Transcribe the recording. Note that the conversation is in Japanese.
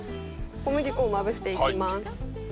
小麦粉をまぶしていきます。